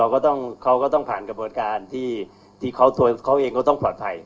เขาก็ต้องผ่านกระบวนการที่เขาตัวเขาเองก็ต้องปลอดภัย